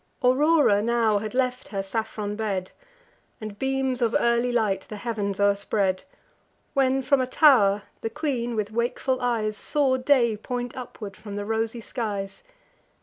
Aurora now had left her saffron bed, And beams of early light the heav'ns o'erspread, When, from a tow'r, the queen, with wakeful eyes, Saw day point upward from the rosy skies.